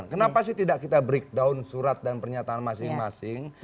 kenapa sih tidak kita breakdown surat dan pernyataan masing masing